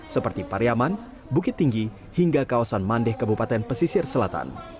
seperti pariaman bukit tinggi hingga kawasan mandeh kabupaten pesisir selatan